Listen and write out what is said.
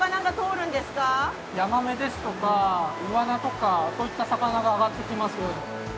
ヤマメですとかイワナとかそういった魚が上がってきます。